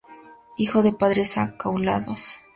Hijo de padres acaudalados.